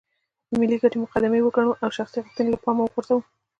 د ملي ګټې مقدمې وګڼو او شخصي غوښتنې له پامه وغورځوو.